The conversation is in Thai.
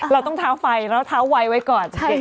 เราต้องเท้าไฟเราเท้าไวไว้ก่อน